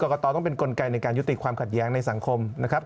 กตต้องเป็นกลไกในการยุติความขัดแย้งในสังคมนะครับ